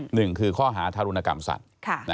หนึ่งคือข้อหาทารุณกรรมสัตว์